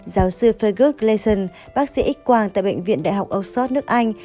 giáo sư fergus gleason bác sĩ ích quang tại bệnh viện đại học oxford nước anh